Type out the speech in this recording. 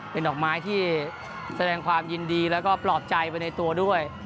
เป็นดอกไม้ที่แสดงความยินดีแล้วก็ปลอบใจไปในตัวด้วย